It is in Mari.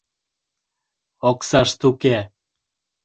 Оксашт уке.